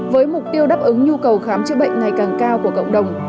với mục tiêu đáp ứng nhu cầu khám chữa bệnh ngày càng cao của cộng đồng